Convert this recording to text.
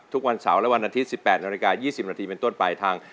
ทุกวันเสาระวันอาทิตย์๑๘น๒๐นเป็นต้นปลายทาง